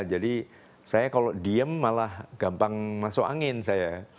jadi saya kalau diem malah gampang masuk angin saya